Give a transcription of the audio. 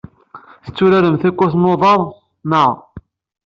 Tetturarem takurt n uḍar, naɣ?